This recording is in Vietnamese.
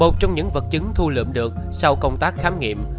một trong những vật chứng thu lượm được sau công tác khám nghiệm